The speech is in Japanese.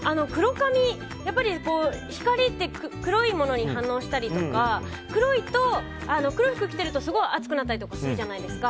やっぱり光って黒いものに反応したりとか黒い服着てるとすごく暑くなったりするじゃないですか。